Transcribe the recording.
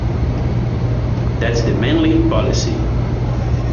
That is the manly policy.